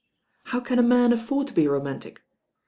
"How can a man afford to be romantic?